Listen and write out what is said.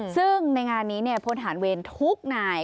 ซึ่งในงานนี้เนี่ยวนทางจิดน้อยทุกนาย